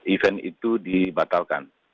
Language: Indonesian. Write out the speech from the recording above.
event itu dibatalkan